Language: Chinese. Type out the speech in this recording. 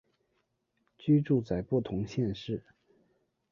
居住在不同县市